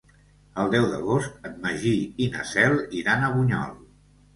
El deu d'agost en Magí i na Cel iran a Bunyol.